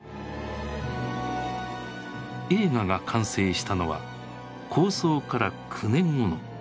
映画が完成したのは構想から９年後の１９８５年。